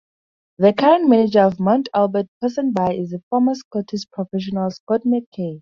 The current Manager of Mount Albert-Ponsonby is former Scottish professional Scott MacKay.